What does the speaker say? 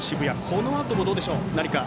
このあともどうでしょうか。